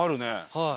はい。